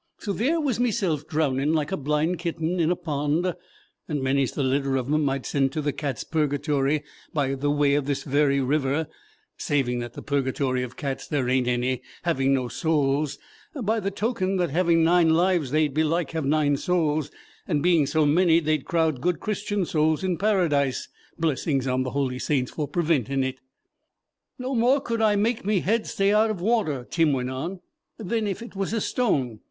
"So there was meself drownin' like a blind kitten in a pond, and many 's the litter of 'em I'd sent to the cat's Purgatory by the way of that very river, saving that the Purgatory of cats there ain't any, having no souls, by the token that having nine lives they'd belike have nine souls, and being so many they'd crowd good Christian souls in Paradise, blessings on the holy saints for previnting it. "No more could I make me head stay out of water," Tim went on, "than if it was a stone.